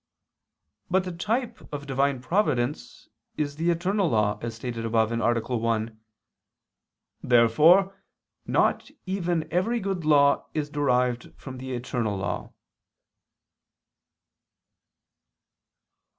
But the type of Divine providence is the eternal law, as stated above (A. 1). Therefore not even every good law is derived from the eternal law.